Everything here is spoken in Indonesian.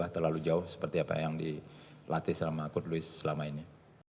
saya tidak akan terlalu jauh seperti apa yang dilatih selama aku selama ini